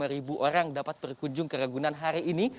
dua puluh ribu orang dapat berkunjung ke ragunan hari ini